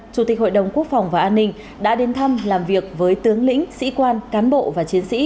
chủ tịch hội đồng quốc phòng và an ninh đã đến thăm làm việc với tướng lĩnh sĩ quan cán bộ và chiến sĩ